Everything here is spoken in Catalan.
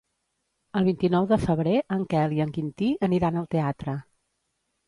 El vint-i-nou de febrer en Quel i en Quintí aniran al teatre.